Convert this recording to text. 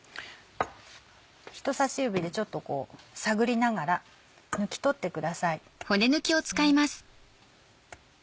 人さし指でこう探りながら抜き取ってください。